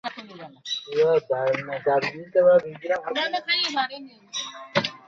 কিন্তু ব্যক্তিত্বের সংঘাত থেকে পুরো ব্যাপারটা এখন রেষারেষির পর্যায়ে গিয়ে ঠেকেছে।